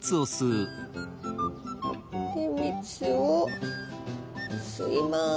で蜜を吸います。